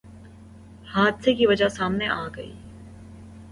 حادثے کی وجہ سامنے آگئی